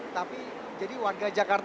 tapi jadi warga jakarta